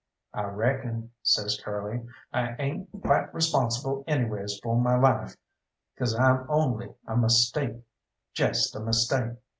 "I reckon," says Curly, "I ain't quite responsible anyways for my life 'cause I'm only a mistake jest a mistake.